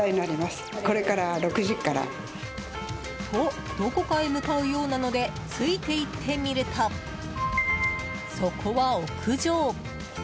と、どこかへ向かうようなのでついて行ってみると、そこは屋上。